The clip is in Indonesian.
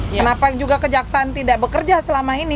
kenapa juga kejaksaan tidak bekerja selama ini